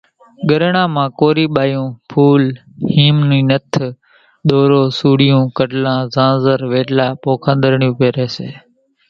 ڳريڻان مان ڪورِي ٻايوُن ڦُول، هيم نِي نٿ، ۮورو، سوڙِيون، ڪڏلان، زانزر، ويڍلا، پوکانۮڙِيون پيريَ سي۔